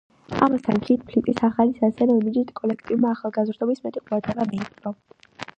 ამასთან, კით ფლინტის ახალი სასცენო იმიჯით კოლექტივმა ახალგაზრდობის მეტი ყურადღება მიიპყრო.